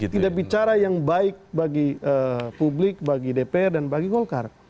tidak bicara yang baik bagi publik bagi dpr dan bagi golkar